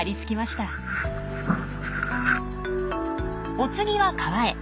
お次は川へ。